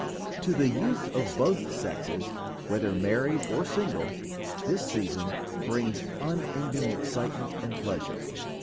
To the young of both sexes, whether married or single, this season brings unending excitement and pleasure.